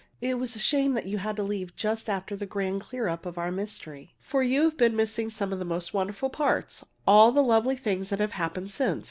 It was a shame that you had to leave just after the grand clear up of our mystery, for you've been missing some of the most wonderful parts all the lovely things that have happened since.